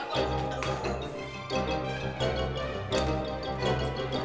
gue ngasih gantung ya